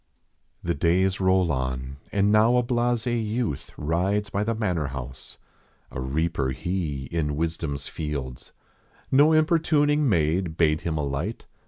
The days roll on and now a blase youth Rides by the manor house. A reaper he In wisdom s fields. No importuning maid Bade him alight.